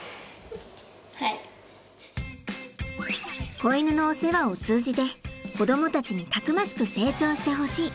子犬のお世話を通じて子供たちにたくましく成長してほしい。